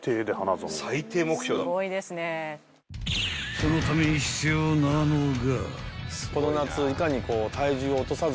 ［そのために必要なのが］